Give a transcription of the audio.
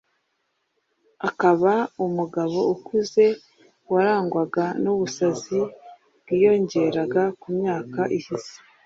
akaba umugabo ukuze, warangwaga n'ubusazi bwiyongeraga uko imyaka ihise